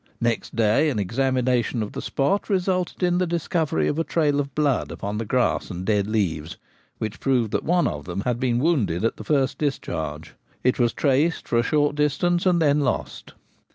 Next day an examination of the spot resulted in the dis covery of a trail of blood upon the grass and dead leaves, which proved that one of them had been wounded at the first discharge. It was traced for a short distance and then lost.